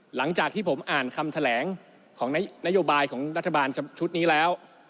หลังจากที่ผมอ่านคำแถลงของนโยบายของรัฐบาลชุดนี้แล้ว